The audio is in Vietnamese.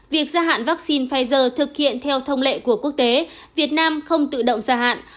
việc gia hạn vaccine pfizer thực hiện theo thông lệ của quốc tế việt nam không tự động gia hạn